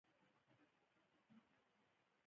څنګه کولی شم په پاکستان کې اسانه کار پیدا کړم